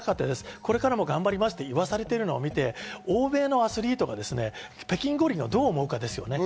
これからも頑張りますと言わされているのを見て、欧米のアスリートが北京五輪をどう思うかです。